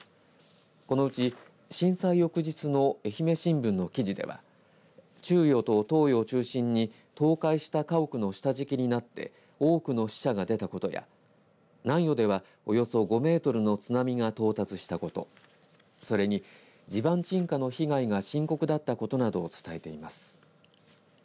このうち震災翌日の愛媛新聞の記事では中予と東予を中心に倒壊した家屋の下敷きになって多くの死者が出たことや南予では、およそ５メートルの津波が到達したことそれに地盤沈下の被害が深刻だったことなどを伝えています。